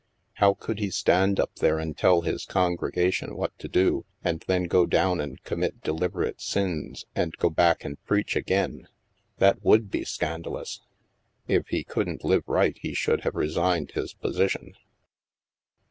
How could he stand up there and tell his congregation what to do, and then go down and commit deliberate sins, and go back and preach again? That would be scan dalous I If he couldn't live right, he should have resigned his position."